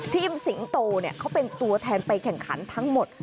สิงโตเขาเป็นตัวแทนไปแข่งขันทั้งหมด